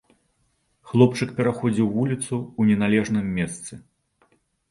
Хлопчык пераходзіў вуліцу ў неналежным месцы.